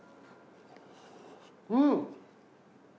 うん！